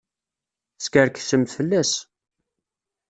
Teskerksemt fell-as!